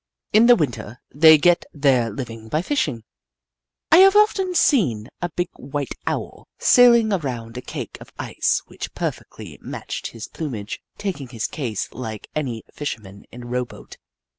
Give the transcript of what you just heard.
In the Winter, they get their liv ing by fishing, I have often seen a big white Hoot Mon 203 Owl, sailing around on a cake of ice which perfectly matched his plumage, taking his ease like any fisherman in a rowboat.